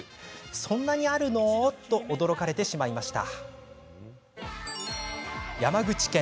そんなにあるの？と驚かれてしまいました。